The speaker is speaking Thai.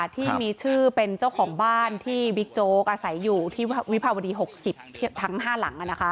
ที่มีชื่อเป็นเจ้าของบ้านที่บิ๊กโจ๊กอาศัยอยู่ที่วิภาวดี๖๐ทั้ง๕หลัง